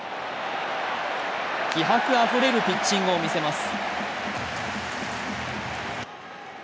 気迫あふれるピッチングを見せます。